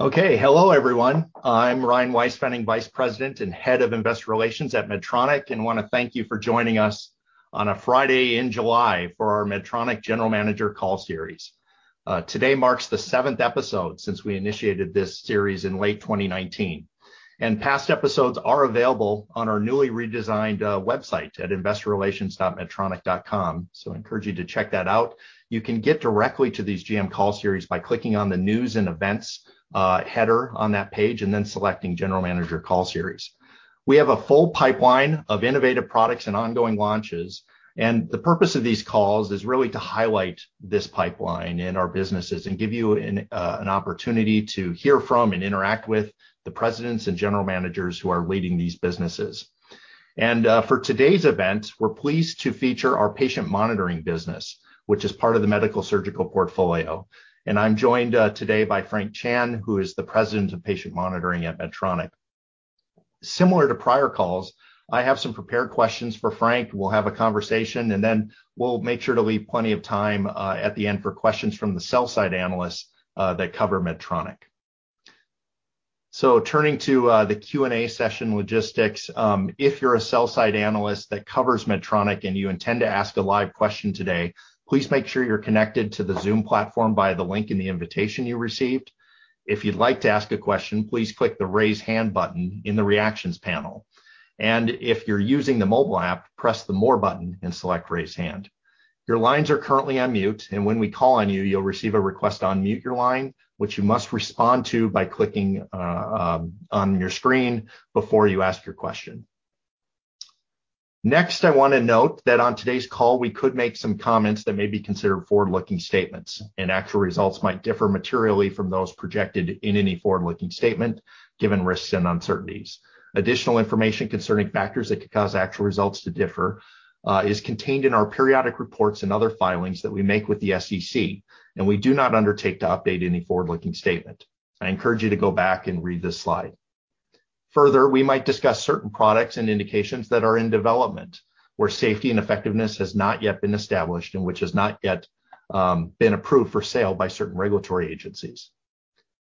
Okay. Hello, everyone. I'm Ryan Weispfenning, Vice President and Head of investor relations at Medtronic, and wanna thank you for joining us on a Friday in July for our Medtronic General Manager Call Series. Today marks the seventh episode since we initiated this series in late 2019. Past episodes are available on our newly redesigned website at investorrelations.medtronic.com, so I encourage you to check that out. You can get directly to these GM call series by clicking on the News and Events header on that page and then selecting General Manager Call Series. We have a full pipeline of innovative products and ongoing launches, and the purpose of these calls is really to highlight this pipeline in our businesses and give you an opportunity to hear from and interact with the presidents and general managers who are leading these businesses. For today's event, we're pleased to feature our patient monitoring business, which is part of the medical surgical portfolio. I'm joined today by Frank Chan, who is the President of Patient Monitoring at Medtronic. Similar to prior calls, I have some prepared questions for Frank. We'll have a conversation, and then we'll make sure to leave plenty of time at the end for questions from the sell-side analysts that cover Medtronic. Turning to the Q&A session logistics, if you're a sell-side analyst that covers Medtronic and you intend to ask a live question today, please make sure you're connected to the Zoom platform via the link in the invitation you received. If you'd like to ask a question, please click the Raise Hand button in the Reactions panel. If you're using the mobile app, press the More button and select Raise Hand. Your lines are currently on mute, and when we call on you'll receive a request to unmute your line, which you must respond to by clicking on your screen before you ask your question. Next, I wanna note that on today's call, we could make some comments that may be considered forward-looking statements, and actual results might differ materially from those projected in any forward-looking statement given risks and uncertainties. Additional information concerning factors that could cause actual results to differ is contained in our periodic reports and other filings that we make with the SEC, and we do not undertake to update any forward-looking statement. I encourage you to go back and read this slide. Further, we might discuss certain products and indications that are in development, where safety and effectiveness has not yet been established and which has not yet been approved for sale by certain regulatory agencies.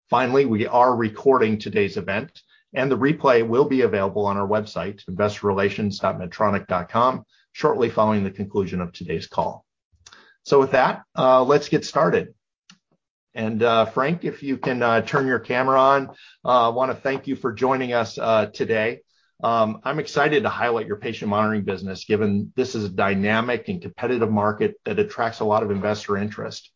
Finally, we are recording today's event, and the replay will be available on our website, investorrelations.medtronic.com, shortly following the conclusion of today's call. With that, let's get started. Frank, if you can turn your camera on, wanna thank you for joining us today. I'm excited to highlight your patient monitoring business, given this is a dynamic and competitive market that attracts a lot of investor interest.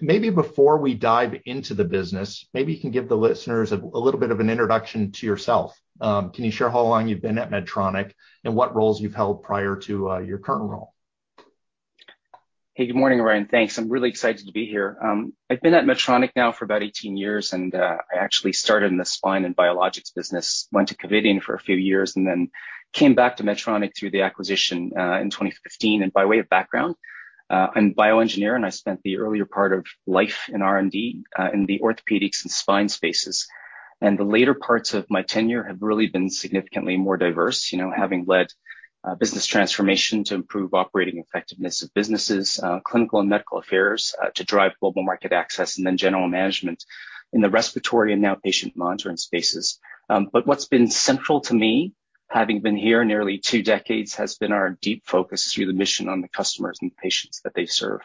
Maybe before we dive into the business, maybe you can give the listeners a little bit of an introduction to yourself. Can you share how long you've been at Medtronic and what roles you've held prior to your current role? Hey, good morning, Ryan. Thanks. I'm really excited to be here. I've been at Medtronic now for about 18 years, and I actually started in the spine and biologics business. Went to Covidien for a few years and then came back to Medtronic through the acquisition in 2015. By way of background, I'm bioengineer, and I spent the earlier part of life in R&D in the orthopedics and spine spaces. The later parts of my tenure have really been significantly more diverse, you know, having led business transformation to improve operating effectiveness of businesses, clinical and medical affairs to drive global market access and then general management in the respiratory and now patient monitoring spaces. What's been central to me, having been here nearly two decades, has been our deep focus through the mission on the customers and patients that they serve.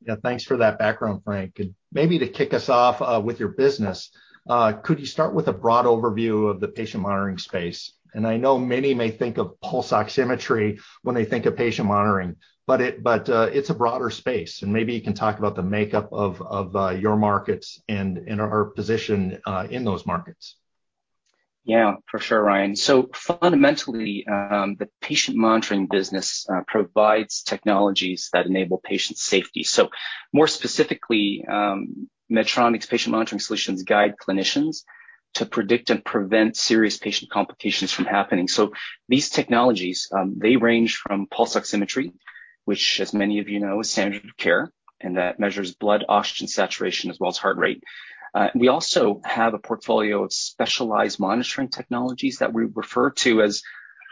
Yeah, thanks for that background, Frank. Maybe to kick us off, with your business, could you start with a broad overview of the patient monitoring space? I know many may think of pulse oximetry when they think of patient monitoring, but it's a broader space, and maybe you can talk about the makeup of your markets and our position in those markets. Yeah, for sure, Ryan. Fundamentally, the patient monitoring business provides technologies that enable patient safety. More specifically, Medtronic's patient monitoring solutions guide clinicians to predict and prevent serious patient complications from happening. These technologies, they range from pulse oximetry, which as many of you know, is standard of care, and that measures blood oxygen saturation as well as heart rate. We also have a portfolio of specialized monitoring technologies that we refer to as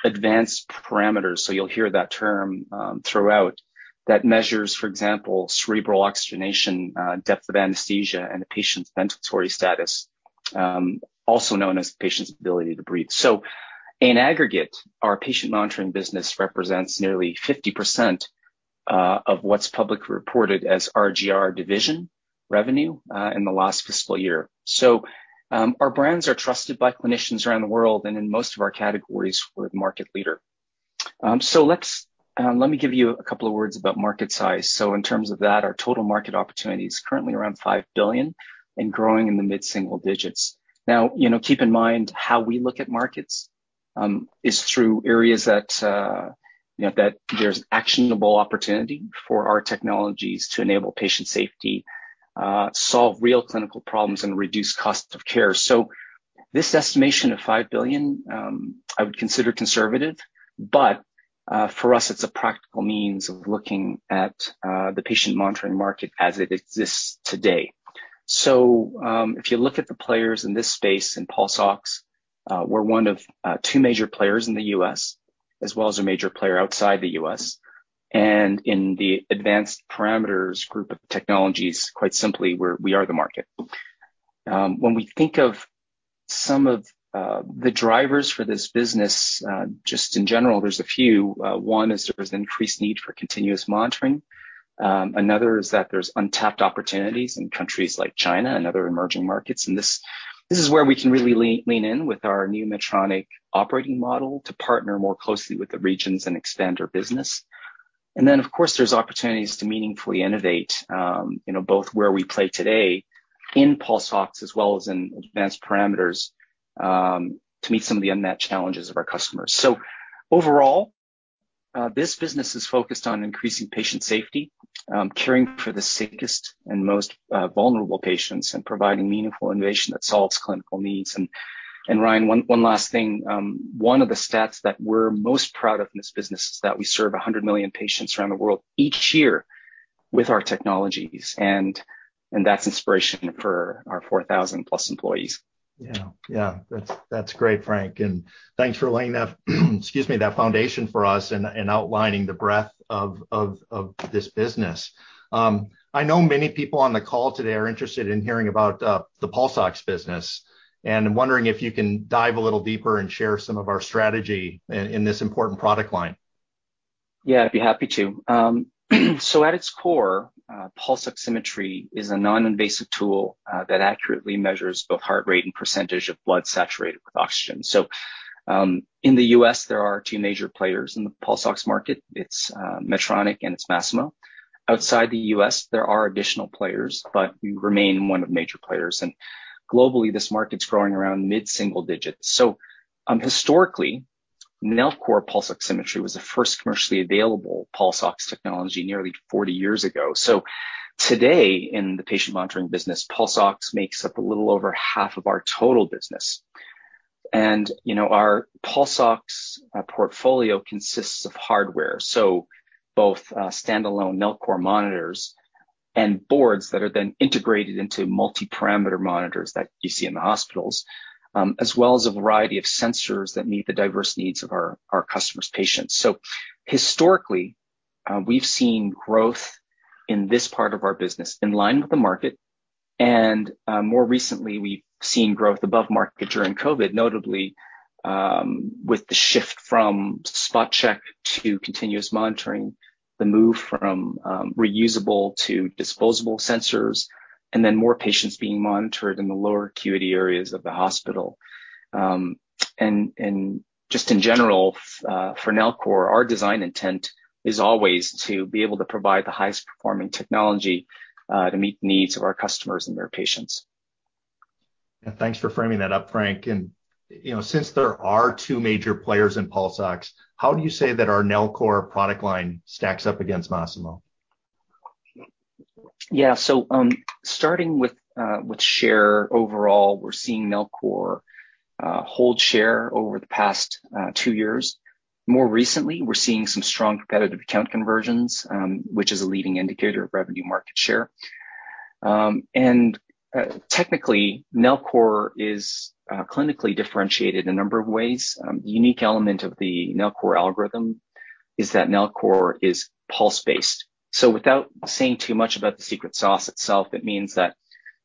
advanced parameters, so you'll hear that term throughout, that measures, for example, cerebral oxygenation, depth of anesthesia and the patient's ventilatory status, also known as patient's ability to breathe. In aggregate, our patient monitoring business represents nearly 50% of what's publicly reported as RGR division revenue in the last fiscal year. Our brands are trusted by clinicians around the world, and in most of our categories, we're the market leader. Let me give you a couple of words about market size. In terms of that, our total market opportunity is currently around $5 billion and growing in the mid-single digits. Now, you know, keep in mind how we look at markets is through areas that, you know, that there's actionable opportunity for our technologies to enable patient safety, solve real clinical problems and reduce cost of care. This estimation of $5 billion, I would consider conservative, but, for us, it's a practical means of looking at the patient monitoring market as it exists today. If you look at the players in this space, in pulse ox, we're one of two major players in the U.S. As well as a major player outside the U.S. In the advanced parameters group of technologies, quite simply, we are the market. When we think of some of the drivers for this business, just in general, there's a few. One is there's an increased need for continuous monitoring. Another is that there's untapped opportunities in countries like China and other emerging markets, and this is where we can really lean in with our new Medtronic operating model to partner more closely with the regions and expand our business. Of course, there's opportunities to meaningfully innovate, you know, both where we play today in pulse ox as well as in advanced parameters, to meet some of the unmet challenges of our customers. Overall, this business is focused on increasing patient safety, caring for the sickest and most vulnerable patients, and providing meaningful innovation that solves clinical needs. Ryan, one last thing. One of the stats that we're most proud of in this business is that we serve 100 million patients around the world each year with our technologies, and that's inspiration for our 4,000+ employees. Yeah. That's great, Frank, and thanks for laying that foundation for us and outlining the breadth of this business. I know many people on the call today are interested in hearing about the pulse ox business, and I'm wondering if you can dive a little deeper and share some of our strategy in this important product line. Yeah, I'd be happy to. At its core, pulse oximetry is a non-invasive tool that accurately measures both heart rate and percentage of blood saturated with oxygen. In the U.S., there are two major players in the pulse ox market. It's Medtronic, and it's Masimo. Outside the U.S., there are additional players, but we remain one of the major players. Globally, this market's growing around mid-single digits%. Historically, Nellcor pulse oximetry was the first commercially available pulse ox technology nearly 40 years ago. Today in the patient monitoring business, pulse ox makes up a little over half of our total business. You know, our pulse ox portfolio consists of hardware, so both standalone Nellcor monitors and boards that are then integrated into multi-parameter monitors that you see in the hospitals, as well as a variety of sensors that meet the diverse needs of our customers' patients. Historically, we've seen growth in this part of our business in line with the market. More recently, we've seen growth above market during COVID, notably, with the shift from spot check to continuous monitoring, the move from reusable to disposable sensors, and then more patients being monitored in the lower acuity areas of the hospital. Just in general, for Nellcor, our design intent is always to be able to provide the highest performing technology to meet the needs of our customers and their patients. Yeah. Thanks for framing that up, Frank. You know, since there are two major players in pulse ox, how do you say that our Nellcor product line stacks up against Masimo? Yeah. Starting with share overall, we're seeing Nellcor hold share over the past two years. More recently, we're seeing some strong competitive account conversions, which is a leading indicator of revenue market share. Technically, Nellcor is clinically differentiated a number of ways. Unique element of the Nellcor algorithm is that Nellcor is pulse-based. So without saying too much about the secret sauce itself, it means that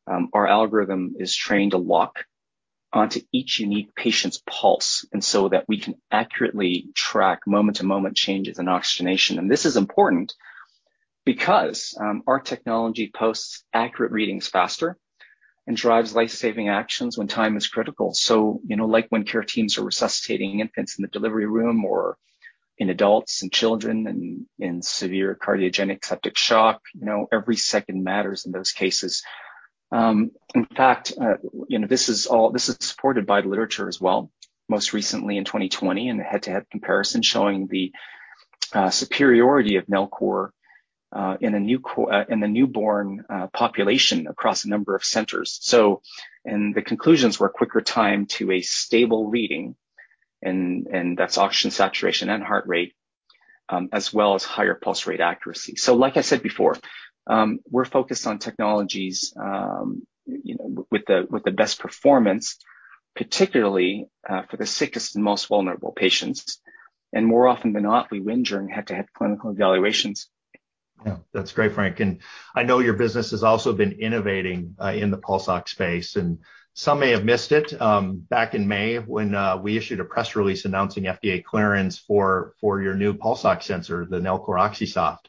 our algorithm is trained to lock onto each unique patient's pulse, and so that we can accurately track moment-to-moment changes in oxygenation. This is important because our technology posts accurate readings faster and drives life-saving actions when time is critical. You know, like when care teams are resuscitating infants in the delivery room or in adults and children in severe cardiogenic septic shock, you know, every second matters in those cases. In fact, you know, this is supported by literature as well, most recently in 2020 in a head-to-head comparison showing the superiority of Nellcor in the newborn population across a number of centers. The conclusions were quicker time to a stable reading, and that's oxygen saturation and heart rate, as well as higher pulse rate accuracy. Like I said before, we're focused on technologies, you know, with the best performance, particularly for the sickest and most vulnerable patients. More often than not, we win during head-to-head clinical evaluations. Yeah. That's great, Frank. I know your business has also been innovating in the pulse ox space, and some may have missed it. Back in May when we issued a press release announcing FDA clearance for your new pulse ox sensor, the Nellcor OxySoft.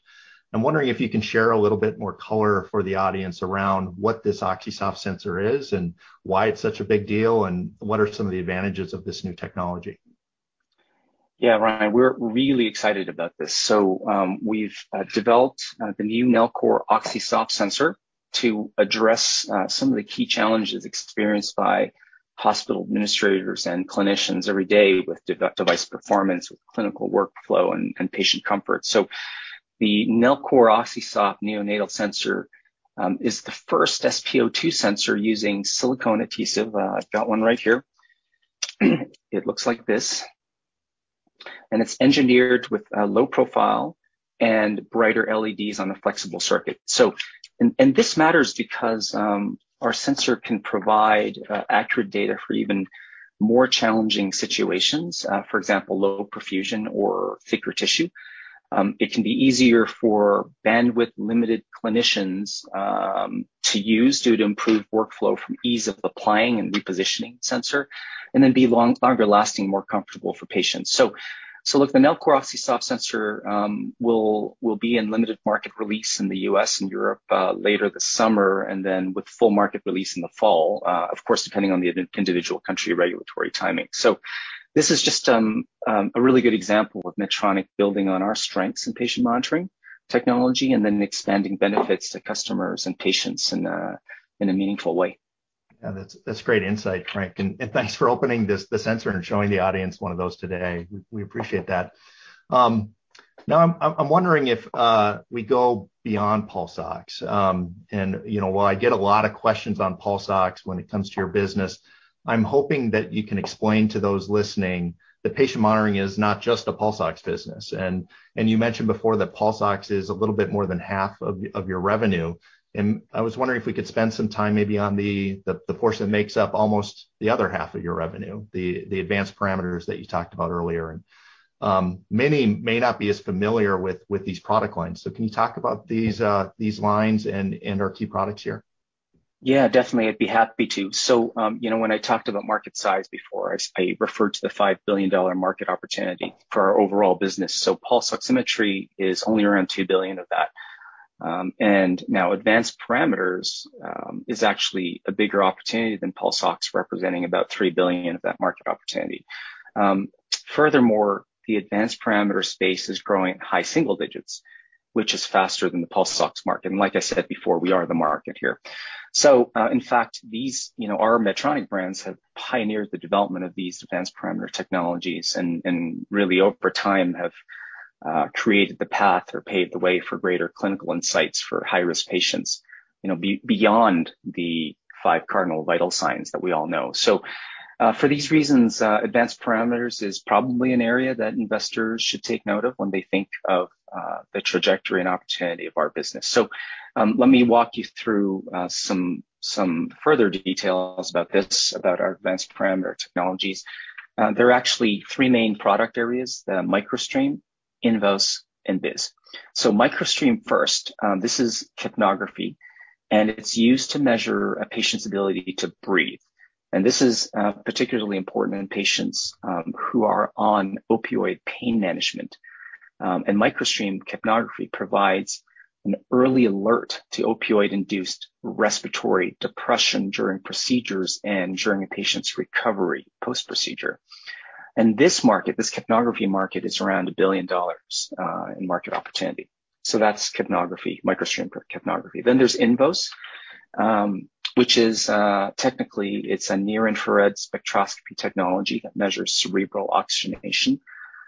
I'm wondering if you can share a little bit more color for the audience around what this OxySoft sensor is and why it's such a big deal, and what are some of the advantages of this new technology? Yeah. Ryan, we're really excited about this. We've developed the new Nellcor OxySoft sensor to address some of the key challenges experienced by hospital administrators and clinicians every day with device performance, with clinical workflow, and patient comfort. The Nellcor OxySoft neonatal sensor is the first SpO2 sensor using silicone adhesive. I've got one right here. It looks like this. It's engineered with a low profile and brighter LEDs on the flexible circuit. This matters because our sensor can provide accurate data for even more challenging situations. For example, low perfusion or thicker tissue. It can be easier for bandwidth-limited clinicians to use due to improved workflow from ease of applying and repositioning the sensor, and then be longer lasting, more comfortable for patients. Look, the Nellcor OxySoft sensor will be in limited market release in the U.S. and Europe later this summer, and then with full market release in the fall, of course, depending on the individual country regulatory timing. This is just a really good example of Medtronic building on our strengths in patient monitoring technology and then expanding benefits to customers and patients in a meaningful way. Yeah, that's great insight, Frank. Thanks for opening this, the sensor and showing the audience one of those today. We appreciate that. Now I'm wondering if we go beyond pulse ox. You know, while I get a lot of questions on pulse ox when it comes to your business, I'm hoping that you can explain to those listening that patient monitoring is not just a pulse ox business. You mentioned before that pulse ox is a little bit more than half of your revenue. I was wondering if we could spend some time maybe on the portion that makes up almost the other half of your revenue, the advanced parameters that you talked about earlier. Many may not be as familiar with these product lines. Can you talk about these lines and our key products here? Yeah, definitely. I'd be happy to. You know, when I talked about market size before, I referred to the $5 billion market opportunity for our overall business. Pulse oximetry is only around $2 billion of that. Now advanced parameters is actually a bigger opportunity than pulse ox, representing about $3 billion of that market opportunity. Furthermore, the advanced parameter space is growing at high single digits%, which is faster than the pulse ox market. Like I said before, we are the market here. In fact, these, you know, our Medtronic brands have pioneered the development of these advanced parameter technologies and really over time have created the path or paved the way for greater clinical insights for high-risk patients, you know, beyond the five cardinal vital signs that we all know. For these reasons, advanced parameters is probably an area that investors should take note of when they think of the trajectory and opportunity of our business. Let me walk you through some further details about this, about our advanced parameter technologies. There are actually three main product areas, the Microstream, INVOS, and BIS. Microstream first. This is capnography, and it's used to measure a patient's ability to breathe. This is particularly important in patients who are on opioid pain management. Microstream capnography provides an early alert to opioid-induced respiratory depression during procedures and during a patient's recovery post-procedure. This market, this capnography market, is around $1 billion in market opportunity. That's capnography, Microstream capnography. There's INVOS, which is technically a near-infrared spectroscopy technology that measures cerebral oxygenation.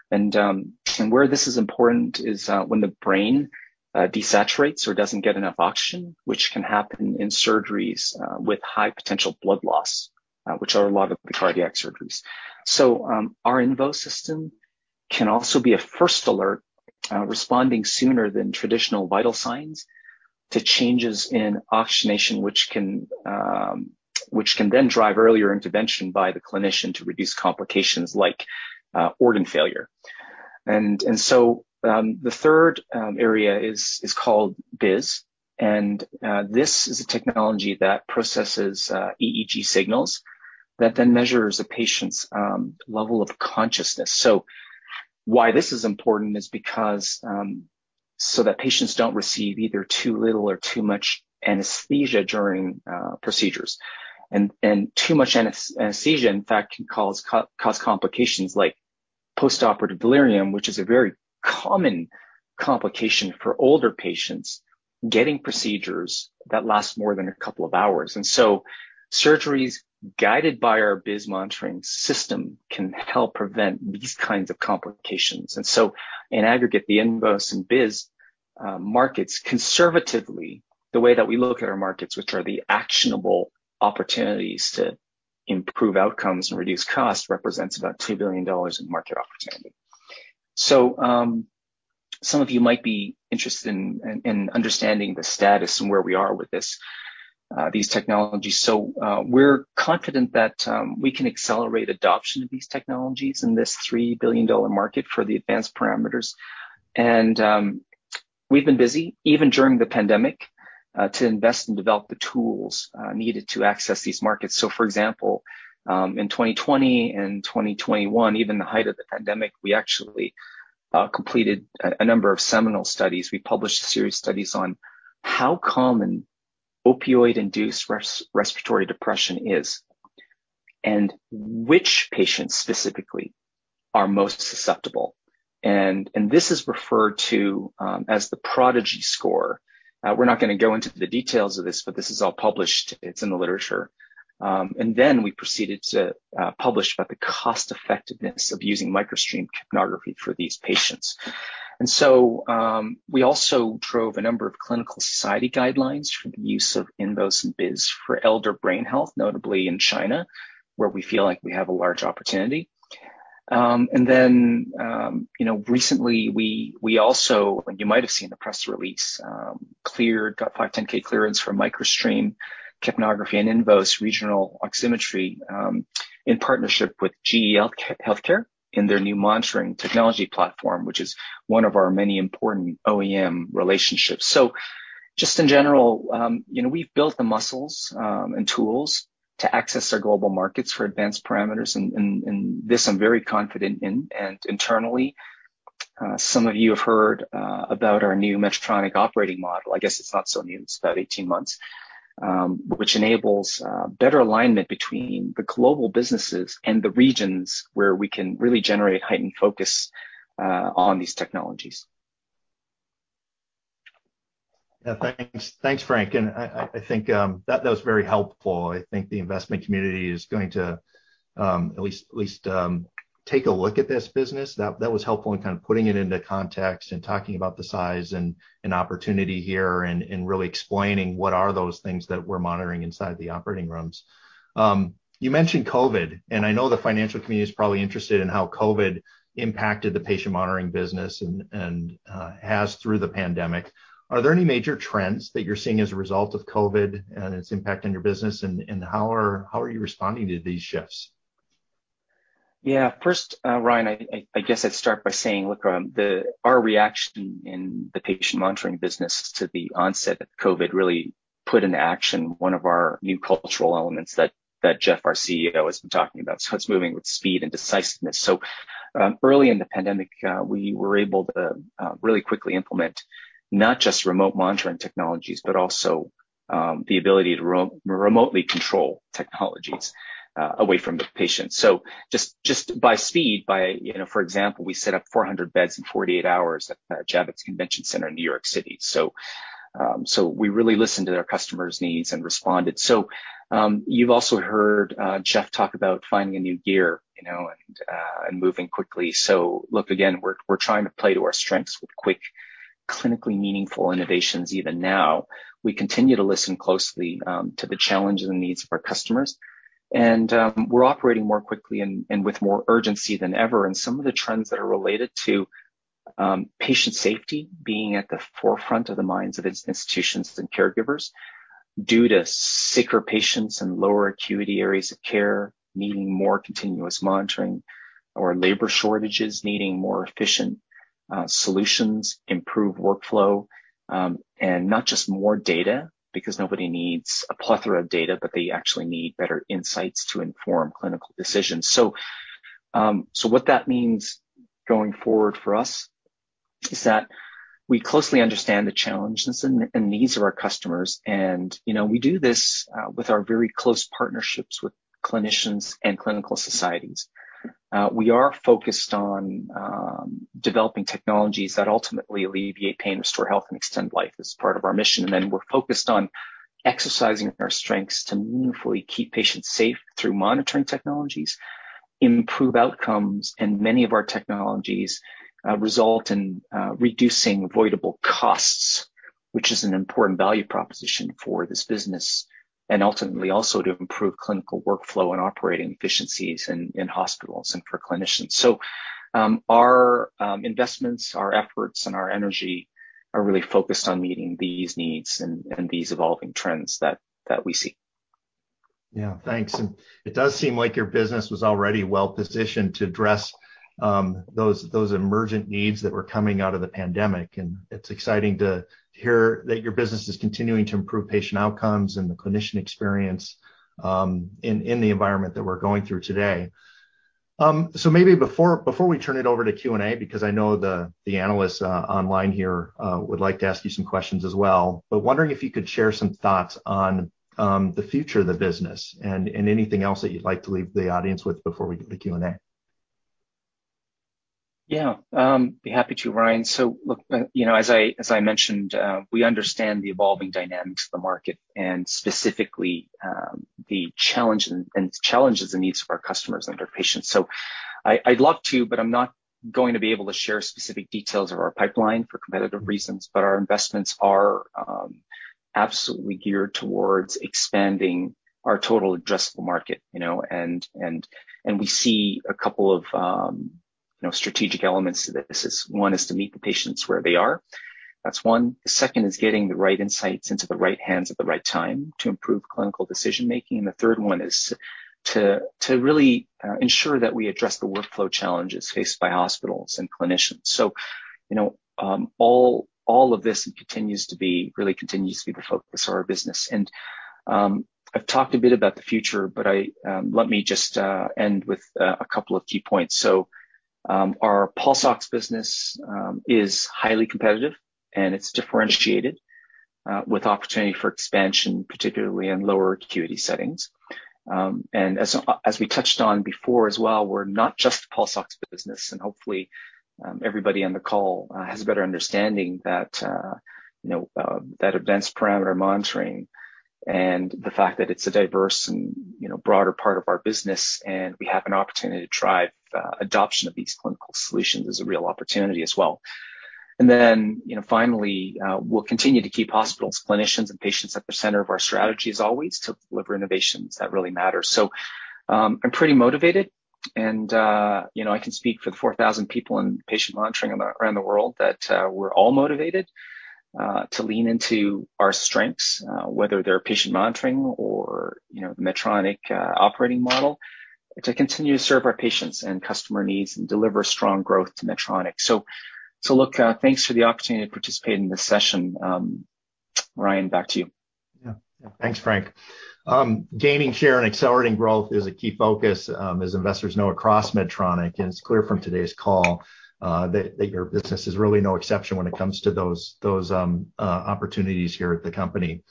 Where this is important is when the brain desaturates or doesn't get enough oxygen, which can happen in surgeries with high potential blood loss, which are a lot of the cardiac surgeries. Our INVOS system can also be a first alert, responding sooner than traditional vital signs to changes in oxygenation, which can then drive earlier intervention by the clinician to reduce complications like organ failure. The third area is called BIS. This is a technology that processes EEG signals that then measures a patient's level of consciousness. Why this is important is because so that patients don't receive either too little or too much anesthesia during procedures. Too much anesthesia, in fact, can cause complications like postoperative delirium, which is a very common complication for older patients getting procedures that last more than a couple of hours. Surgeries guided by our BIS monitoring system can help prevent these kinds of complications. In aggregate, the INVOS and BIS markets, conservatively, the way that we look at our markets, which are the actionable opportunities to improve outcomes and reduce cost, represents about $2 billion in market opportunity. Some of you might be interested in understanding the status and where we are with these technologies. We're confident that we can accelerate adoption of these technologies in this $3 billion market for the advanced parameters. We've been busy even during the pandemic to invest and develop the tools needed to access these markets. For example, in 2020 and 2021, even the height of the pandemic, we actually completed a number of seminal studies. We published a series of studies on how common opioid-induced respiratory depression is, and which patients specifically are most susceptible. This is referred to as the PRODIGY score. We're not gonna go into the details of this, but this is all published. It's in the literature. Then we proceeded to publish about the cost-effectiveness of using Microstream capnography for these patients. We also drove a number of clinical society guidelines for the use of INVOS and BIS for elder brain health, notably in China, where we feel like we have a large opportunity. Then, you know, recently we also and you might have seen the press release, got 510(k) clearance for Microstream capnography and INVOS regional oximetry, in partnership with GE HealthCare in their new monitoring technology platform, which is one of our many important OEM relationships. Just in general, you know, we've built the muscles and tools to access our global markets for advanced parameters. This I'm very confident in. Internally, some of you have heard about our new Medtronic operating model. I guess it's not so new, it's about 18 months, which enables better alignment between the global businesses and the regions where we can really generate heightened focus on these technologies. Yeah, thanks. Thanks, Frank. I think that was very helpful. I think the investment community is going to at least take a look at this business. That was helpful in kind of putting it into context and talking about the size and opportunity here and really explaining what are those things that we're monitoring inside the operating rooms. You mentioned COVID, and I know the financial community is probably interested in how COVID impacted the patient monitoring business and has through the pandemic. Are there any major trends that you're seeing as a result of COVID and its impact on your business? How are you responding to these shifts? Yeah. First, Ryan, I guess I'd start by saying, look, our reaction in the patient monitoring business to the onset of COVID really put into action one of our new cultural elements that Geoff, our CEO, has been talking about. It's moving with speed and decisiveness. Early in the pandemic, we were able to really quickly implement not just remote monitoring technologies, but also the ability to remotely control technologies away from the patient. Just by speed, you know, for example, we set up 400 beds in 48 hours at the Javits Convention Center in New York City. We really listened to their customers' needs and responded. You've also heard Geoff talk about finding a new gear, you know, and moving quickly. Look, again, we're trying to play to our strengths with quick, clinically meaningful innovations even now. We continue to listen closely to the challenges and needs of our customers. We're operating more quickly and with more urgency than ever. Some of the trends that are related to patient safety being at the forefront of the minds of institutions and caregivers due to sicker patients and lower acuity areas of care needing more continuous monitoring or labor shortages needing more efficient solutions, improved workflow, and not just more data, because nobody needs a plethora of data, but they actually need better insights to inform clinical decisions. What that means going forward for us is that we closely understand the challenges and needs of our customers. You know, we do this with our very close partnerships with clinicians and clinical societies. We are focused on developing technologies that ultimately alleviate pain, restore health and extend life as part of our mission. We're focused on exercising our strengths to meaningfully keep patients safe through monitoring technologies, improve outcomes, and many of our technologies result in reducing avoidable costs, which is an important value proposition for this business, and ultimately also to improve clinical workflow and operating efficiencies in hospitals and for clinicians. Our investments, our efforts, and our energy are really focused on meeting these needs and these evolving trends that we see. Yeah, thanks. It does seem like your business was already well positioned to address those emergent needs that were coming out of the pandemic. It's exciting to hear that your business is continuing to improve patient outcomes and the clinician experience in the environment that we're going through today. Maybe before we turn it over to Q&A, because I know the analysts online here would like to ask you some questions as well. Wondering if you could share some thoughts on the future of the business and anything else that you'd like to leave the audience with before we do the Q&A. Yeah. Be happy to, Ryan. Look, you know, as I mentioned, we understand the evolving dynamics of the market and specifically, the challenge and challenges and needs of our customers and their patients. I'd love to, but I'm not going to be able to share specific details of our pipeline for competitive reasons, but our investments are absolutely geared towards expanding our total addressable market, you know. We see a couple of, you know, strategic elements to this. One is to meet the patients where they are. That's one. The second is getting the right insights into the right hands at the right time to improve clinical decision-making. The third one is to really ensure that we address the workflow challenges faced by hospitals and clinicians. You know, all of this continues to be really continues to be the focus of our business. I've talked a bit about the future, but let me just end with a couple of key points. Our pulse ox business is highly competitive and it's differentiated with opportunity for expansion, particularly in lower acuity settings. And as we touched on before as well, we're not just a pulse ox business, and hopefully everybody on the call has a better understanding that you know that advanced parameter monitoring and the fact that it's a diverse and you know broader part of our business, and we have an opportunity to drive adoption of these clinical solutions is a real opportunity as well. You know, finally, we'll continue to keep hospitals, clinicians and patients at the center of our strategy as always to deliver innovations that really matter. I'm pretty motivated, and you know, I can speak for the 4,000 people in patient monitoring around the world that we're all motivated to lean into our strengths, whether they're patient monitoring or you know, Medtronic operating model to continue to serve our patients and customer needs and deliver strong growth to Medtronic. Look, thanks for the opportunity to participate in this session. Ryan, back to you. Yeah. Thanks, Frank. Gaining share and accelerating growth is a key focus, as investors know across Medtronic, and it's clear from today's call that your business is really no exception when it comes to those opportunities here at the company.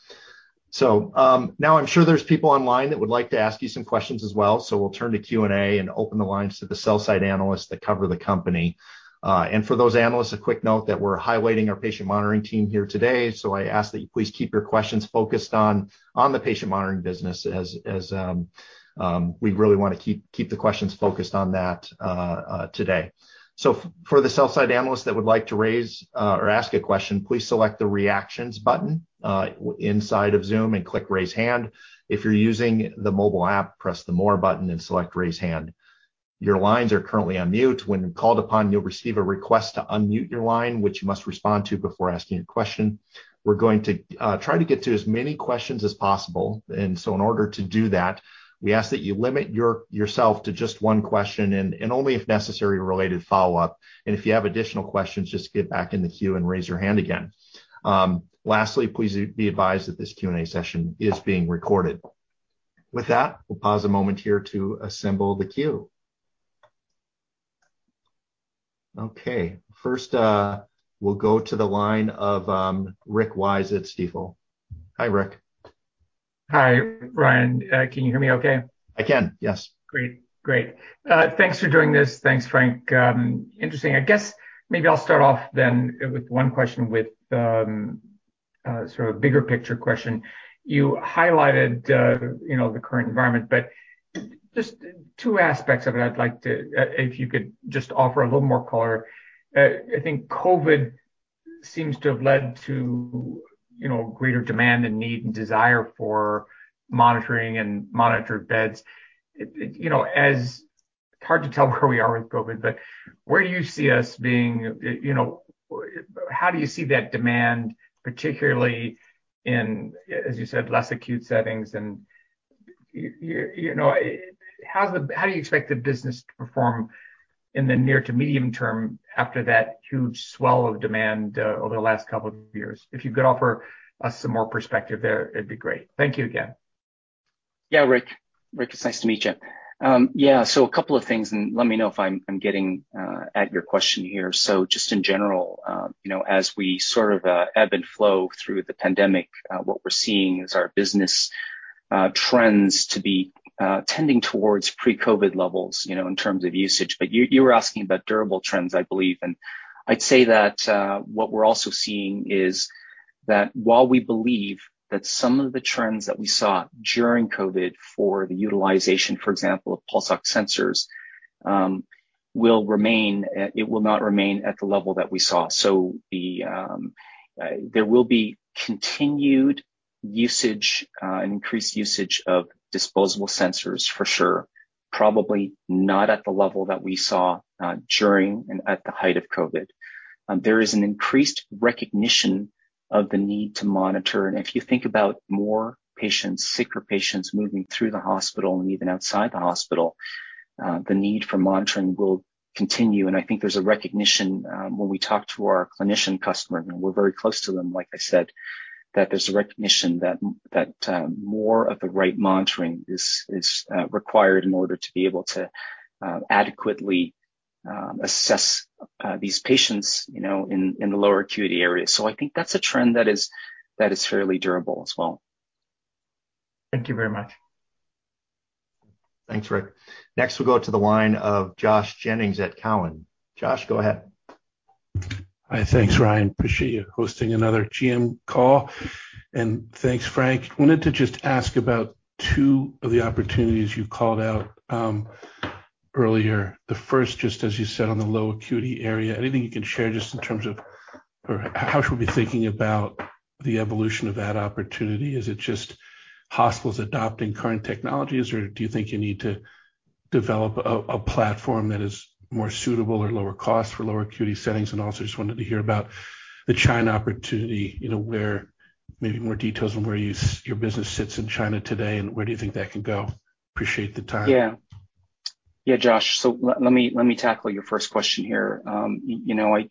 Now I'm sure there's people online that would like to ask you some questions as well. We'll turn to Q&A and open the lines to the sell-side analysts that cover the company. For those analysts, a quick note that we're highlighting our patient monitoring team here today. I ask that you please keep your questions focused on the patient monitoring business as we really wanna keep the questions focused on that today. For the sell-side analysts that would like to raise or ask a question, please select the Reactions button within Zoom and click Raise Hand. If you're using the mobile app, press the More button and select Raise Hand. Your lines are currently on mute. When called upon, you'll receive a request to unmute your line, which you must respond to before asking a question. We're going to try to get to as many questions as possible. In order to do that, we ask that you limit yourself to just one question and only if necessary, a related follow-up. If you have additional questions, just get back in the queue and raise your hand again. Lastly, please be advised that this Q&A session is being recorded. With that, we'll pause a moment here to assemble the queue. Okay. First, we'll go to the line of Rick Wise at Stifel. Hi, Rick. Hi, Ryan. Can you hear me okay? I can, yes. Great. Thanks for doing this. Thanks, Frank. Interesting. I guess maybe I'll start off then with one question with sort of a bigger picture question. You highlighted you know the current environment, but just two aspects of it. If you could just offer a little more color. I think COVID seems to have led to you know greater demand and need and desire for monitoring and monitored beds. It you know it's hard to tell where we are with COVID, but where do you see us? You know how do you see that demand, particularly in, as you said, less acute settings? You know, how do you expect the business to perform in the near to medium term after that huge swell of demand over the last couple of years? If you could offer us some more perspective there, it'd be great. Thank you again. Yeah, Rick. Rick, it's nice to meet you. Yeah, so a couple of things, and let me know if I'm getting at your question here. Just in general, you know, as we sort of ebb and flow through the pandemic, what we're seeing is our business trends to be tending towards pre-COVID levels, in terms of usage. You were asking about durable trends, I believe. I'd say that what we're also seeing is that while we believe that some of the trends that we saw during COVID for the utilization, for example, of pulse ox sensors, will remain, it will not remain at the level that we saw. There will be continued usage, increased usage of disposable sensors for sure. Probably not at the level that we saw during and at the height of COVID. There is an increased recognition of the need to monitor. If you think about more patients, sicker patients moving through the hospital and even outside the hospital, the need for monitoring will continue. I think there's a recognition when we talk to our clinician customers, and we're very close to them, like I said, that there's a recognition that more of the right monitoring is required in order to be able to adequately assess these patients, you know, in the lower acuity areas. I think that's a trend that is fairly durable as well. Thank you very much. Thanks, Rick. Next, we'll go to the line of Josh Jennings at Cowen. Josh, go ahead. Hi. Thanks, Ryan. Appreciate you hosting another GM call. Thanks, Frank. Wanted to just ask about two of the opportunities you called out, earlier. The first, just as you said, on the low acuity area. Anything you can share just in terms of or how should we be thinking about the evolution of that opportunity? Is it just hospitals adopting current technologies, or do you think you need to develop a platform that is more suitable or lower cost for lower acuity settings? Also, just wanted to hear about the China opportunity, you know, where maybe more details on where your business sits in China today, and where do you think that could go? Appreciate the time. Yeah. Yeah, Josh. Let me tackle your first question here. You know, I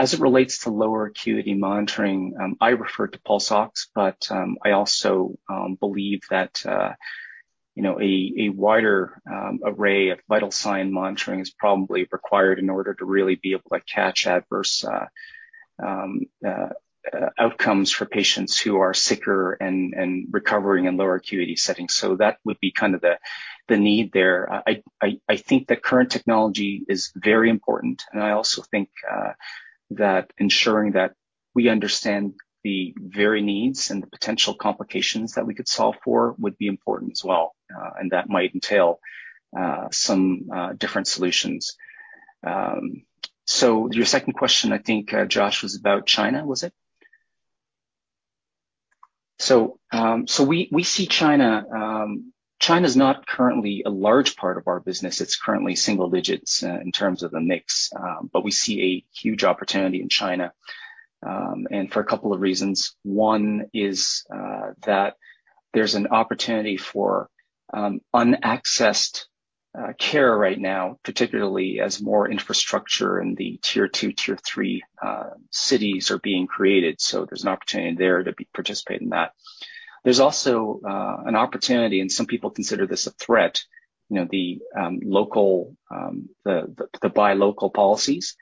as it relates to lower acuity monitoring, I refer to pulse ox, but I also believe that You know, a wider array of vital sign monitoring is probably required in order to really be able to catch adverse outcomes for patients who are sicker and recovering in lower acuity settings. That would be kind of the need there. I think the current technology is very important, and I also think that ensuring that we understand the very needs and the potential complications that we could solve for would be important as well. That might entail some different solutions. Your second question, I think, Josh, was about China, was it? We see China. China's not currently a large part of our business. It's currently single digits in terms of the mix. We see a huge opportunity in China and for a couple of reasons. One is that there's an opportunity for unaccessed care right now, particularly as more infrastructure in the tier two, tier three cities are being created. There's an opportunity there to participate in that. There's also an opportunity, and some people consider this a threat, you know, the local buy local policies.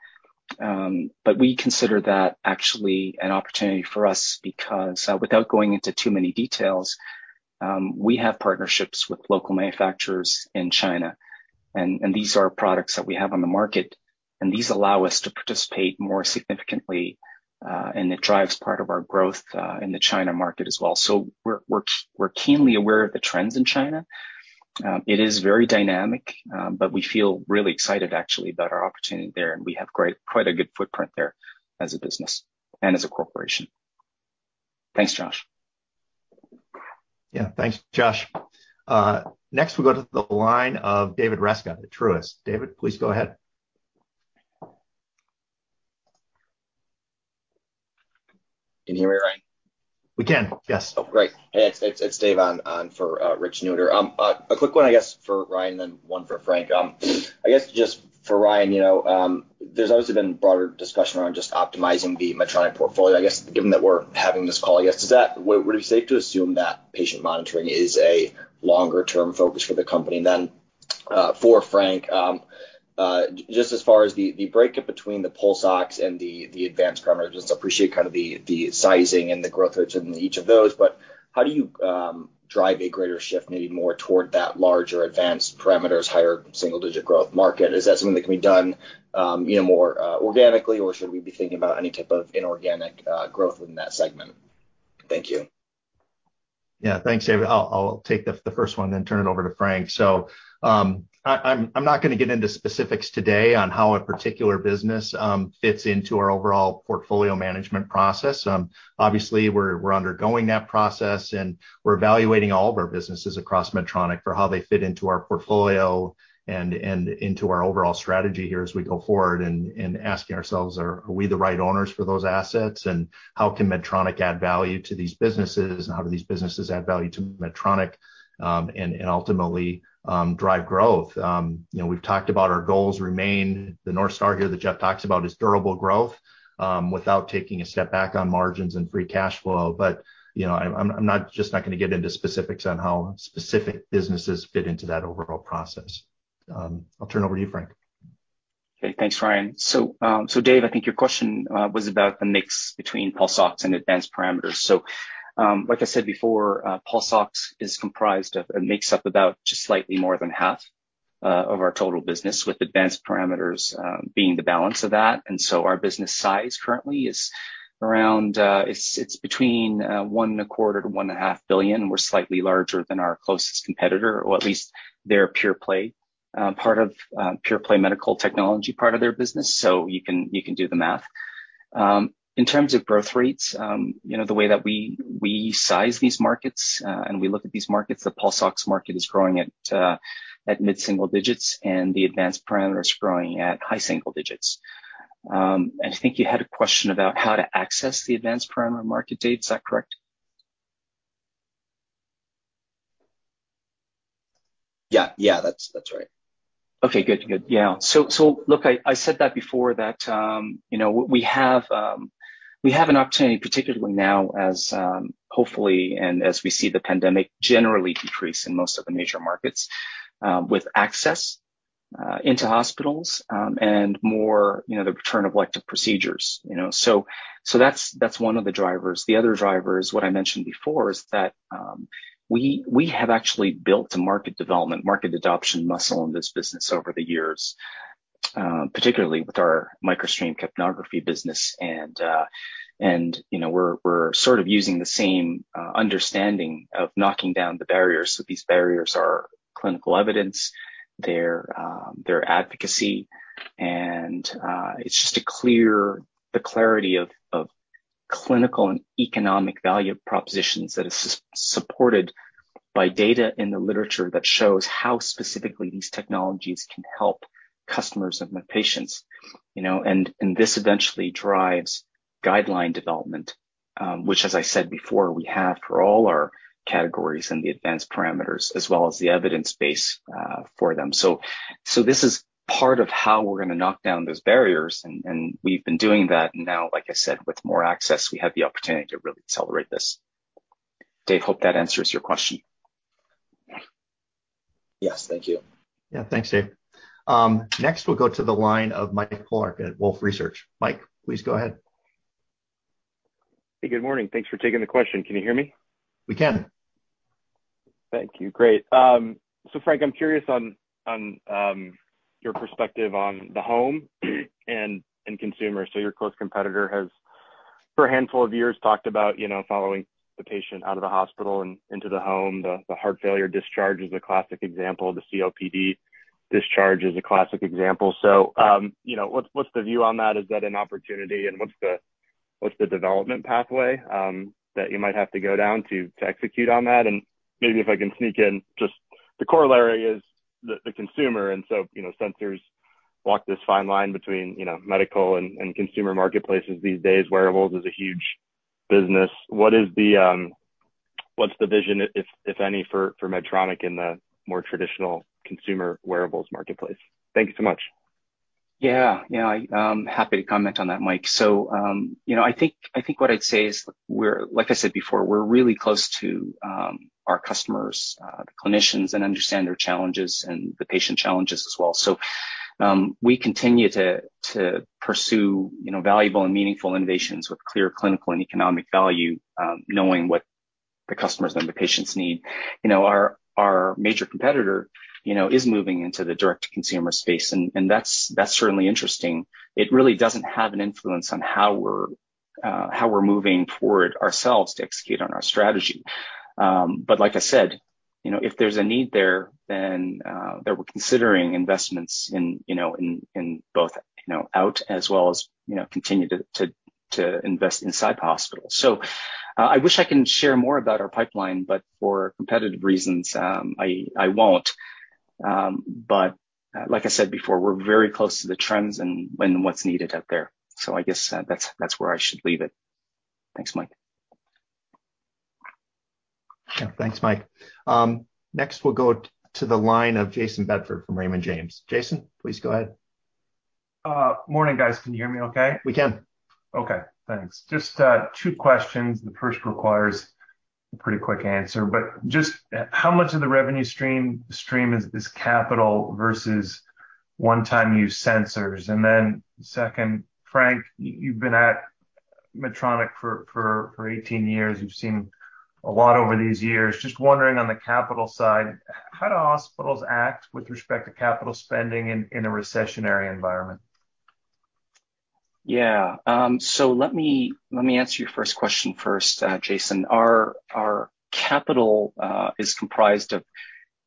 We consider that actually an opportunity for us because without going into too many details, we have partnerships with local manufacturers in China. These are products that we have on the market, and these allow us to participate more significantly, and it drives part of our growth in the China market as well. We're keenly aware of the trends in China. It is very dynamic, but we feel really excited actually about our opportunity there, and we have quite a good footprint there as a business and as a corporation. Thanks, Josh. Yeah. Thanks, Josh. Next we'll go to the line of David Rescott at Truist. David, please go ahead. Can you hear me, Ryan? We can, yes. Oh, great. Hey, it's Dave on for Rich Newitter. A quick one, I guess, for Ryan, then one for Frank. I guess just for Ryan, you know, there's obviously been broader discussion around just optimizing the Medtronic portfolio. I guess, given that we're having this call, would it be safe to assume that patient monitoring is a longer term focus for the company? Then, for Frank, just as far as the breakup between the pulse ox and the advanced parameters, just appreciate kind of the sizing and the growth rates in each of those, but how do you drive a greater shift, maybe more toward that larger advanced parameters, higher single digit growth market? Is that something that can be done, you know, more organically, or should we be thinking about any type of inorganic growth in that segment? Thank you. Yeah. Thanks, David. I'll take the first one, then turn it over to Frank. I'm not gonna get into specifics today on how a particular business fits into our overall portfolio management process. Obviously we're undergoing that process, and we're evaluating all of our businesses across Medtronic for how they fit into our portfolio and into our overall strategy here as we go forward and asking ourselves are we the right owners for those assets, and how can Medtronic add value to these businesses, and how do these businesses add value to Medtronic, and ultimately drive growth. You know, we've talked about our goals remain the North Star here that Jeff talks about is durable growth, without taking a step back on margins and free cash flow. you know, I'm just not gonna get into specifics on how specific businesses fit into that overall process. I'll turn over to you, Frank. Okay. Thanks, Ryan. Dave, I think your question was about the mix between pulse ox and advanced parameters. Like I said before, it makes up about just slightly more than half of our total business, with advanced parameters being the balance of that. Our business size currently is around $1.25 billion-$1.5 billion. We're slightly larger than our closest competitor, or at least their pure play medical technology part of their business. You can do the math. In terms of growth rates, you know, the way that we size these markets, and we look at these markets, the pulse ox market is growing at mid-single digits, and the advanced parameter is growing at high single digits. I think you had a question about how to access the advanced parameter market data. Is that correct? Yeah. Yeah, that's right. Okay, good. Good. Yeah. Look, I said that before that, you know, we have an opportunity, particularly now as hopefully and as we see the pandemic generally decrease in most of the major markets, with access into hospitals, and more, you know, the return of elective procedures, you know. That's one of the drivers. The other driver is what I mentioned before is that we have actually built a market development, market adoption muscle in this business over the years, particularly with our Microstream capnography business. You know, we're sort of using the same understanding of knocking down the barriers. These barriers are clinical evidence. They're advocacy. It's just a clear. The clarity of clinical and economic value propositions that is supported by data in the literature that shows how specifically these technologies can help customers and the patients, you know. This eventually drives guideline development, which as I said before, we have for all our categories in the advanced parameters as well as the evidence base for them. This is part of how we're gonna knock down those barriers, and we've been doing that, and now, like I said, with more access, we have the opportunity to really accelerate this. David, hope that answers your question. Yes. Thank you. Yeah. Thanks, Dave. Next we'll go to the line of Mike Polark at Wolfe Research. Mike, please go ahead. Hey, good morning. Thanks for taking the question. Can you hear me? We can. Thank you. Great. Frank, I'm curious on your perspective on the home and consumers. Your close competitor has for a handful of years talked about, you know, following the patient out of the hospital and into the home. The heart failure discharge is a classic example. The COPD discharge is a classic example. You know, what's the view on that? Is that an opportunity, and what's the development pathway that you might have to go down to execute on that? Maybe if I can sneak in just the corollary is the consumer, and you know, sensors walk this fine line between, you know, medical and consumer marketplaces these days. Wearables is a huge business. What's the vision, if any, for Medtronic in the more traditional consumer wearables marketplace? Thank you so much. Yeah. Yeah. I'm happy to comment on that, Mike. You know, I think what I'd say is we're, like I said before, really close to our customers, the clinicians, and understand their challenges and the patient challenges as well. We continue to pursue, you know, valuable and meaningful innovations with clear clinical and economic value, knowing what the customers and the patients need. You know, our major competitor, you know, is moving into the direct-to-consumer space, and that's certainly interesting. It really doesn't have an influence on how we're moving forward ourselves to execute on our strategy. Like I said, you know, if there's a need there, then we're considering investments in, you know, in both, you know, out as well as, you know, continue to invest inside the hospital. I wish I can share more about our pipeline, but for competitive reasons, I won't. Like I said before, we're very close to the trends and what's needed out there. I guess that's where I should leave it. Thanks, Mike. Yeah. Thanks, Mike. Next we'll go to the line of Jayson Bedford from Raymond James. Jayson, please go ahead. Morning, guys. Can you hear me okay? We can. Okay. Thanks. Just two questions. The first requires a pretty quick answer, but just how much of the revenue stream is capital versus one-time use sensors? Second, Frank, you've been at Medtronic for 18 years. You've seen a lot over these years. Just wondering on the capital side, how do hospitals act with respect to capital spending in a recessionary environment? Yeah. Let me answer your first question first, Jayson. Our capital is comprised of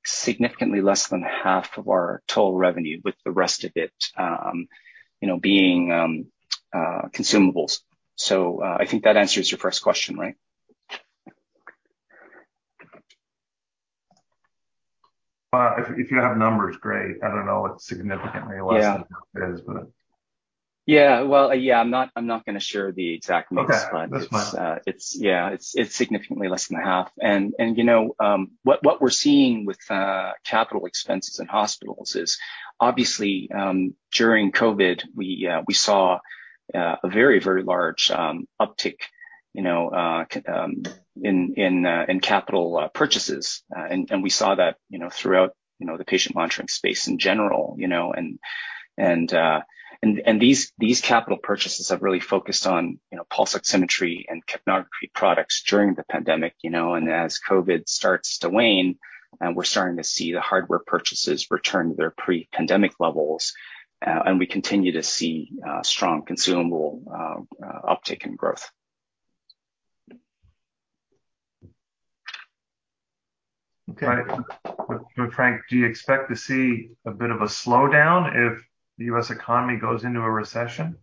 significantly less than half of our total revenue, with the rest of it, you know, being consumables. I think that answers your first question, right? Well, if you have numbers, great. I don't know what significantly less than half is, but. Yeah. Well, I'm not gonna share the exact mix. Okay. That's fine. It's significantly less than half. You know, what we're seeing with capital expenses in hospitals is obviously during COVID, we saw a very large uptick, you know, in capital purchases. We saw that, you know, throughout, you know, the patient monitoring space in general, you know. These capital purchases have really focused on, you know, pulse oximetry and capnography products during the pandemic, you know. As COVID starts to wane, we're starting to see the hardware purchases return to their pre-pandemic levels, and we continue to see strong consumable uptick in growth. Okay. Frank, do you expect to see a bit of a slowdown if the U.S. economy goes into a recession?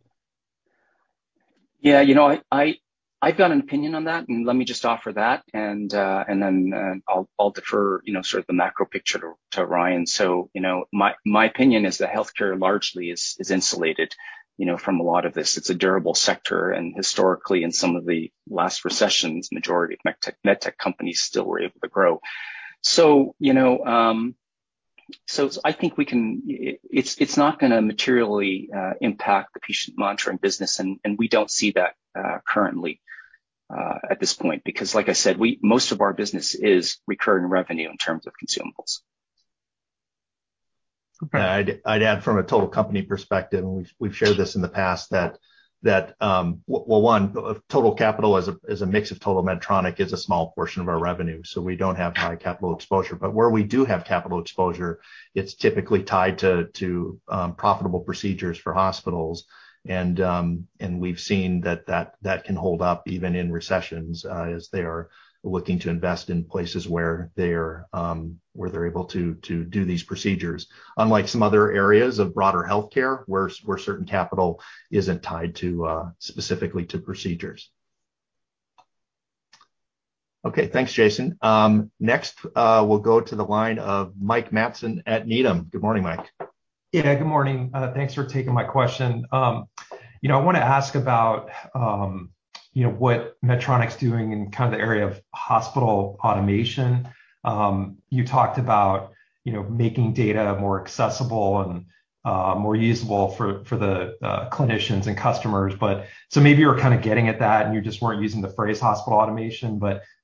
You know, I've got an opinion on that, and let me just offer that and then I'll defer, you know, sort of the macro picture to Ryan. You know, my opinion is that healthcare largely is insulated, you know, from a lot of this. It's a durable sector, and historically in some of the last recessions, majority of med tech companies still were able to grow. You know, I think it's not gonna materially impact the patient monitoring business. We don't see that currently at this point, because like I said, most of our business is recurring revenue in terms of consumables. I'd add from a total company perspective, and we've shared this in the past that one, total capital as a mix of total Medtronic is a small portion of our revenue, so we don't have high capital exposure. Where we do have capital exposure, it's typically tied to profitable procedures for hospitals. We've seen that that can hold up even in recessions as they are looking to invest in places where they're able to do these procedures, unlike some other areas of broader healthcare where certain capital isn't tied specifically to procedures. Okay. Thanks, Jayson. Next, we'll go to the line of Mike Matson at Needham. Good morning, Mike. Yeah. Good morning. Thanks for taking my question. You know, I wanna ask about, you know, what Medtronic's doing in kind of the area of hospital automation. You talked about, you know, making data more accessible and, more usable for the clinicians and customers. So maybe you were kind of getting at that, and you just weren't using the phrase hospital automation.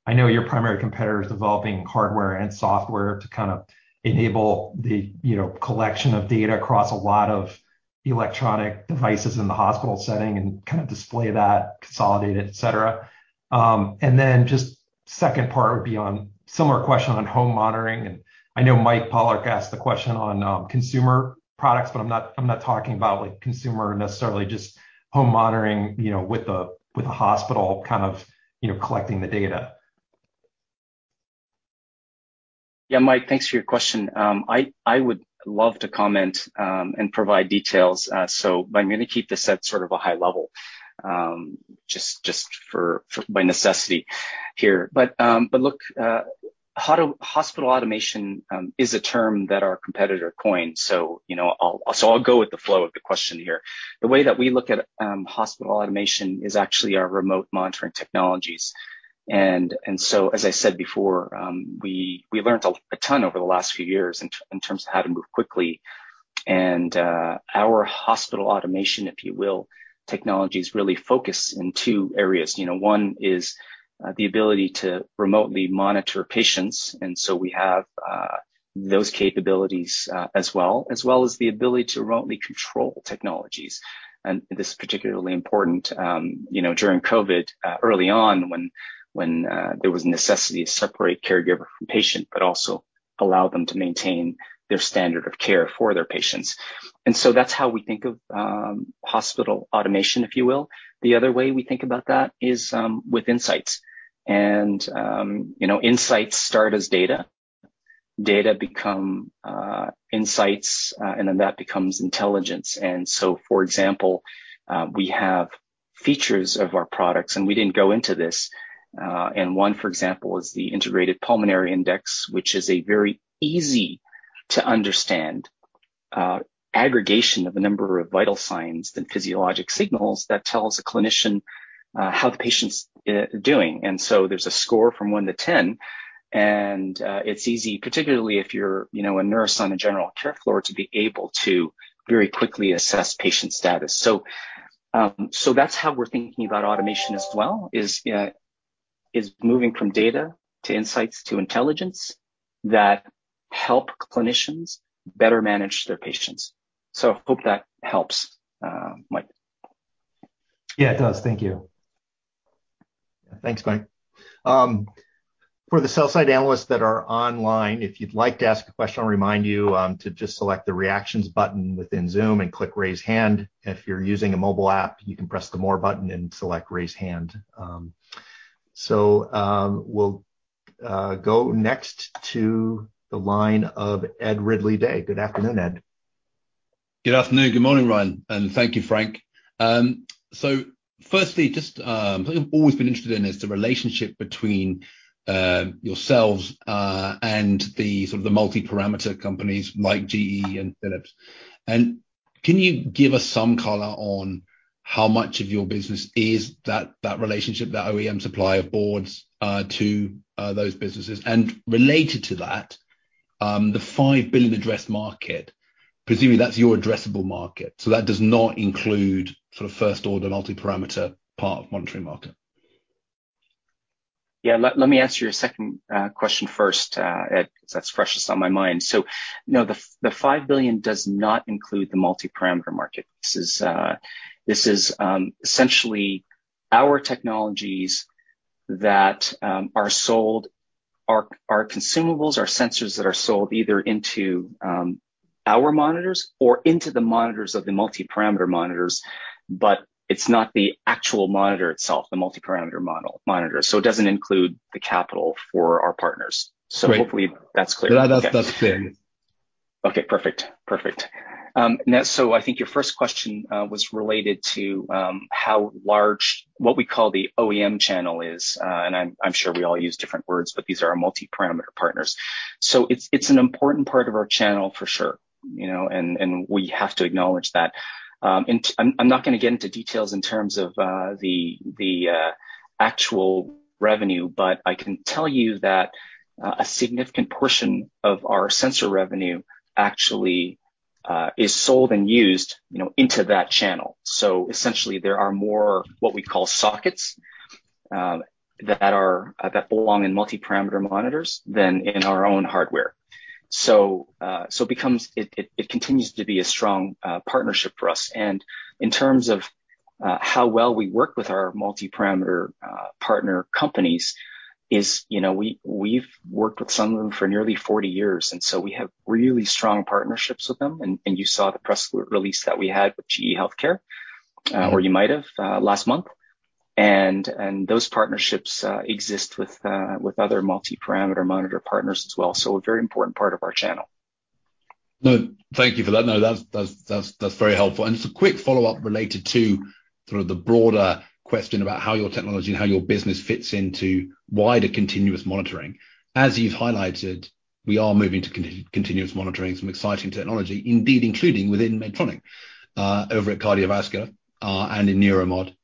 I know your primary competitor is developing hardware and software to kind of enable the, you know, collection of data across a lot of electronic devices in the hospital setting and kind of display that, consolidate it, et cetera. Just the second part would be on a similar question on home monitoring, and I know Mike Polark asked the question on consumer products, but I'm not talking about like consumer necessarily just home monitoring, you know, with a hospital kind of, you know, collecting the data. Yeah, Mike, thanks for your question. I would love to comment and provide details, so but I'm gonna keep this at sort of a high level, just for by necessity here. Look, hospital automation is a term that our competitor coined, so you know, I'll go with the flow of the question here. The way that we look at hospital automation is actually our remote monitoring technologies. So as I said before, we learned a ton over the last few years in terms of how to move quickly. Our hospital automation, if you will, technologies really focus in two areas. You know, one is the ability to remotely monitor patients, and so we have those capabilities, as well as the ability to remotely control technologies. This is particularly important, you know, during COVID, early on when there was a necessity to separate caregiver from patient, but also allow them to maintain their standard of care for their patients. That's how we think of hospital automation, if you will. The other way we think about that is with insights. You know, insights start as data. Data become insights, and then that becomes intelligence. For example, we have features of our products, and we didn't go into this, and one, for example, is the Integrated Pulmonary Index, which is a very easy to understand aggregation of a number of vital signs and physiologic signals that tells a clinician how the patient's doing. There's a score from one to 10, and it's easy, particularly if you're, you know, a nurse on a general care floor, to be able to very quickly assess patient status. That's how we're thinking about automation as well, is moving from data to insights to intelligence that help clinicians better manage their patients. Hope that helps, Mike. Yeah, it does. Thank you. Thanks, Mike. For the sell-side analysts that are online, if you'd like to ask a question, I'll remind you to just select the Reactions button within Zoom and click Raise Hand. If you're using a mobile app, you can press the More button and select Raise Hand. We'll go next to the line of Ed Ridley-Day. Good afternoon, Ed. Good afternoon. Good morning, Ryan, and thank you, Frank. Firstly, just something I've always been interested in is the relationship between yourselves and the sort of multi-parameter companies like GE and Philips. Can you give us some color on how much of your business is that relationship, that OEM supply of boards to those businesses? Related to that, the $5 billion addressable market, presumably that's your addressable market. That does not include sort of first order multi-parameter part of monitoring market. Yeah. Let me answer your second question first, Ed, 'cause that's freshest on my mind. No, the $5 billion does not include the multi-parameter market. This is essentially our technologies that are sold, our consumables, our sensors that are sold either into our monitors or into the monitors of the multi-parameter monitors, but it's not the actual monitor itself, the multi-parameter monitor. It doesn't include the capital for our partners. Great. Hopefully that's clear. That's clear. Okay, perfect. Perfect. I think your first question was related to how large what we call the OEM channel is, and I'm sure we all use different words, but these are our multi-parameter partners. It's an important part of our channel for sure, you know, and we have to acknowledge that. I'm not gonna get into details in terms of the actual revenue, but I can tell you that a significant portion of our sensor revenue actually is sold and used, you know, into that channel. Essentially there are more, what we call sockets, that belong in multi-parameter monitors than in our own hardware. It continues to be a strong partnership for us. In terms of how well we work with our multi-parameter partner companies is, you know, we've worked with some of them for nearly 40 years, and so we have really strong partnerships with them. You saw the press release that we had with GE HealthCare, or you might have last month. Those partnerships exist with other multi-parameter monitor partners as well, so a very important part of our channel. No, thank you for that. No, that's very helpful. Just a quick follow-up related to sort of the broader question about how your technology and how your business fits into wider continuous monitoring. As you've highlighted, we are moving to continuous monitoring, some exciting technology, indeed including within Medtronic, over at Cardiovascular, and in Neuromodulation.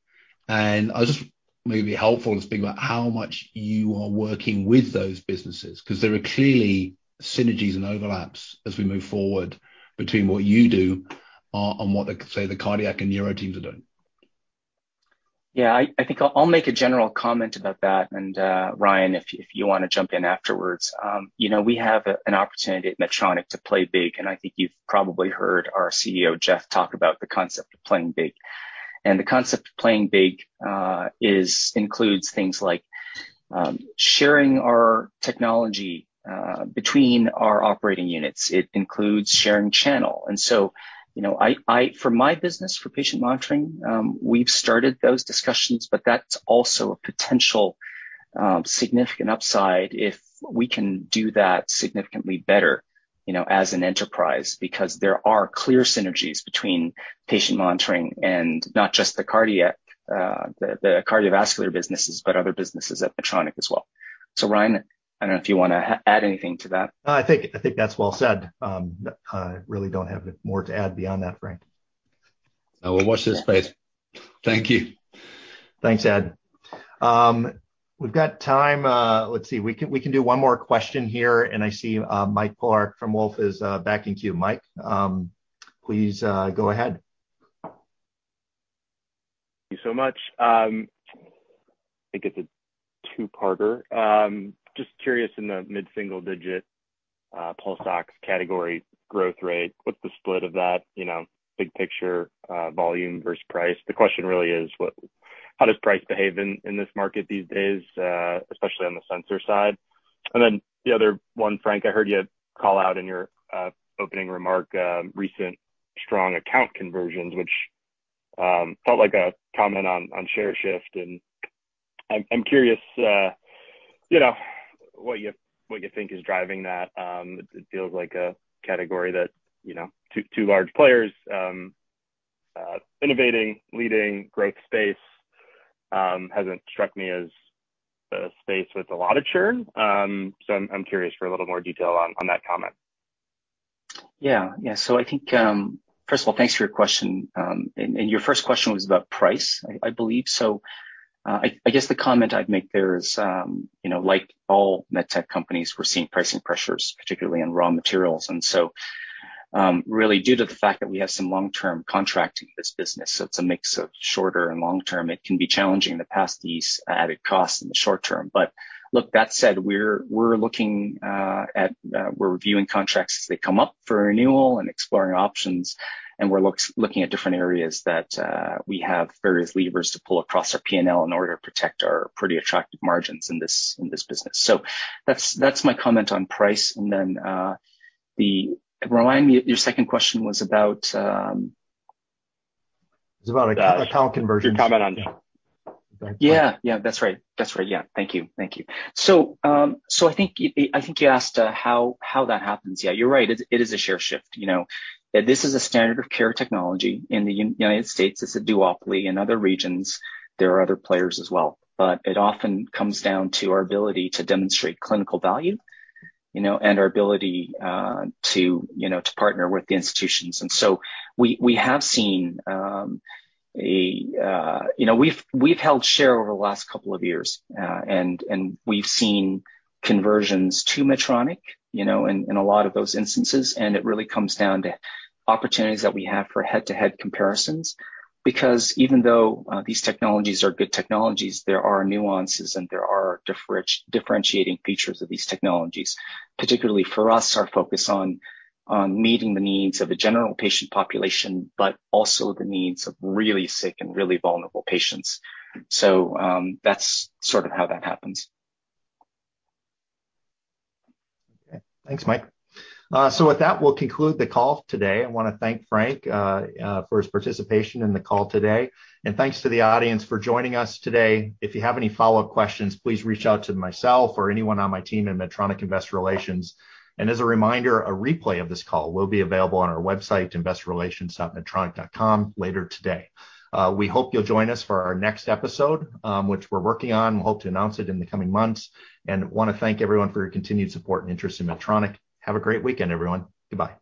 I was just maybe helpful to speak about how much you are working with those businesses because there are clearly synergies and overlaps as we move forward between what you do, on what, say, the cardiac and neuro teams are doing. Yeah. I think I'll make a general comment about that, and, Ryan, if you wanna jump in afterwards. You know, we have an opportunity at Medtronic to play big, and I think you've probably heard our CEO, Geoff, talk about the concept of playing big. The concept of playing big includes things like sharing our technology between our operating units. It includes sharing channel. You know, I for my business, for patient monitoring, we've started those discussions, but that's also a potential significant upside if we can do that significantly better, you know, as an enterprise because there are clear synergies between patient monitoring and not just the cardiac, the cardiovascular businesses, but other businesses at Medtronic as well. Ryan, I don't know if you wanna add anything to that. No. I think that's well said. I really don't have more to add beyond that, Frank. I will watch this space. Thank you. Thanks, Ed. We've got time. Let's see. We can do one more question here, and I see Mike Polark from Wolfe is back in queue. Mike, please go ahead. Thank you so much. I think it's a two-parter. Just curious in the mid-single digit pulse ox category growth rate, what's the split of that, you know, big picture, volume versus price? The question really is how does price behave in this market these days, especially on the sensor side. Then the other one, Frank, I heard you call out in your opening remark, recent strong account conversions, which felt like a comment on share shift. I'm curious, you know, what you think is driving that. It feels like a category that, you know, two large players innovating, leading growth space, hasn't struck me as the space with a lot of churn. I'm curious for a little more detail on that comment. I think, first of all, thanks for your question. Your first question was about price, I believe. I guess the comment I'd make there is, you know, like all med tech companies, we're seeing pricing pressures, particularly in raw materials. Really due to the fact that we have some long-term contracts in this business, so it's a mix of shorter and long-term, it can be challenging to pass these added costs in the short term. Look, that said, we're reviewing contracts as they come up for renewal and exploring options, and we're looking at different areas that we have various levers to pull across our P&L in order to protect our pretty attractive margins in this business. That's my comment on price. Remind me, your second question was about. It's about account conversions. Your comment on Yeah. Yeah. That's right. Thank you. I think you asked how that happens. Yeah, you're right. It is a share shift, you know. This is a standard of care technology in the United States. It is a duopoly in other regions. There are other players as well. It often comes down to our ability to demonstrate clinical value, you know, and our ability to partner with the institutions. We have held share over the last couple of years, and we've seen conversions to Medtronic, you know, in a lot of those instances. It really comes down to opportunities that we have for head-to-head comparisons. Because even though these technologies are good technologies, there are nuances and there are differentiating features of these technologies. Particularly for us, our focus on meeting the needs of the general patient population, but also the needs of really sick and really vulnerable patients. That's sort of how that happens. Okay. Thanks, Mike. With that, we'll conclude the call today. I wanna thank Frank for his participation in the call today. Thanks to the audience for joining us today. If you have any follow-up questions, please reach out to myself or anyone on my team in Medtronic Investor Relations. As a reminder, a replay of this call will be available on our website, investorrelations.medtronic.com, later today. We hope you'll join us for our next episode, which we're working on. We hope to announce it in the coming months. Wanna thank everyone for your continued support and interest in Medtronic. Have a great weekend, everyone. Goodbye.